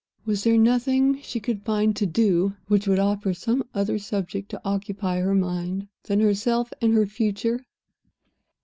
Was there nothing she could find to do which would offer some other subject to occupy her mind than herself and her future?